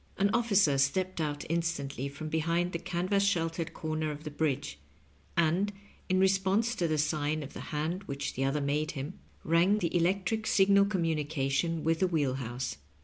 An officer stepped out instantly from behind the canvas sheltered comer of the bridge, and, in response to the sign of the hand which the other made him, rang the electric signal com munication with the wheel house.